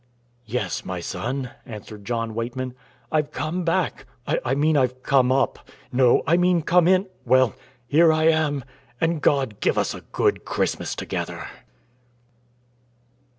"Yes, my son," answered John Weightman; "I've come back I mean I've come up no, I mean come in well, here I am, and God give us a good Christmas together."